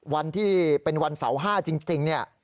วันที่เป็นวันเสาร์๕จริงเนี่ย